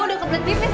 udah kebetulan tipis